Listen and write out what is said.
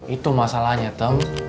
itu masalahnya tem